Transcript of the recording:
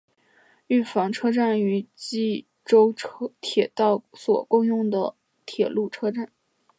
御坊车站与纪州铁道所共用的铁路车站。